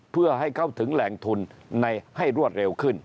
เพื่อให้เข้าถึงแหล่งทุนให้รวดเร็วขึ้น